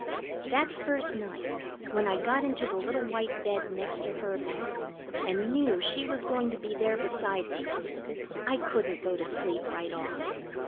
That first night when I got into the little white bed next to her bed, and knew she was going to be there beside me, I couldn't go to sleep right off.